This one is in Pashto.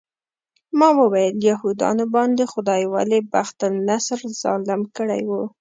ما وویل یهودانو باندې خدای ولې بخت النصر ظالم کړی و.